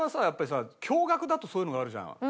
やっぱりさ共学だとそういうのがあるじゃん。